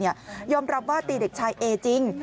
ยอมรับว่าตีเด็กชายเอจริง